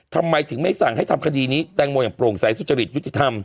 ทำไมถึงไม่สั่งให้ทำคดีนี้แตงโมอย่างโปร่งใสสุจริตยุติธรรม